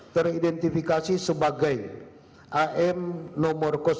teridentifikasi sebagai am nomor tujuh puluh lima